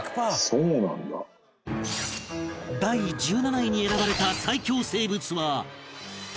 第１７位に選ばれた最恐生物は